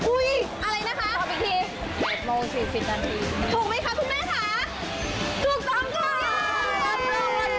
อุ๊ยอะไรนะคะตอบอีกทีถูกมั้ยคะคุณแม่ค่ะถูกต้องก่อนง่าย